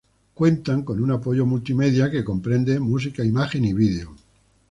Cuentan con un apoyo multimedia que comprende música, imagen y video.